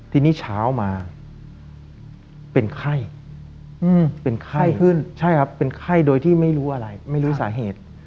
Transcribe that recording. ทีนี้เช้ามาเป็นไข้เป็นไข้ขึ้นใช่ครับเป็นไข้โดยที่ไม่รู้อะไรไม่รู้สาเหตุ